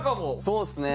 そうっすね。